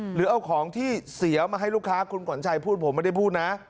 หรือเอาของที่เสียมาให้ลูกค้าคุณขวัญชัยพูดผมไม่ได้พูดนะ